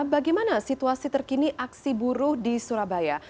bagaimana situasi terkini aksi buruh di surabaya